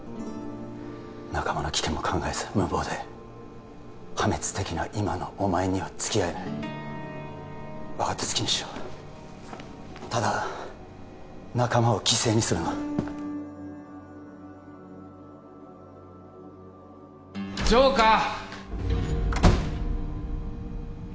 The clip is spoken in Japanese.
仲間の危険も考えず無謀で破滅的な今のお前にはつきあえない分かった好きにしろただ仲間を犠牲にするなジョーカー！